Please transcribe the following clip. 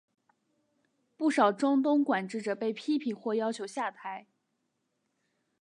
不少中东管治者被批评或要求下台。